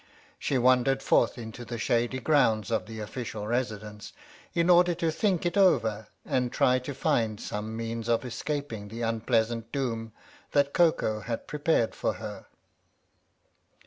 She wandered forth into the shady grounds of the Official Residence in order to think it over and try to find some means of escaping the unpleasant doom that Koko had prepared for her.